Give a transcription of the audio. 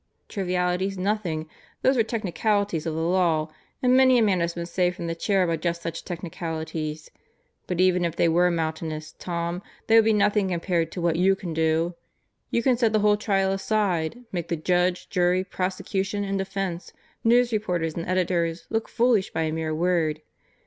"Trivialities nothing! Those are technicalities of the law; and many a man has been saved from the chair by just such techni calities. But even if they were mountainous, Tom, they would be nothing compared to what you can do. You can set the whole trial aside, make the judge, jury, prosecution and defense, news reporters and editors look foolish by a mere word.